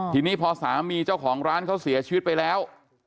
ทีนี้พอสามีเจ้าของร้านเขาเสียชีวิตไปแล้ว